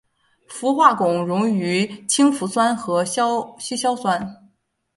氟化汞溶于氢氟酸和稀硝酸。